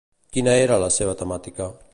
Quina era la seva temàtica?